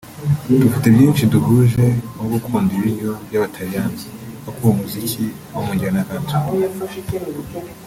Dufite byinshi duhuje nko gukunda ibiryo by’Abataliyani no kumva umuziki wo mu njyana ya Country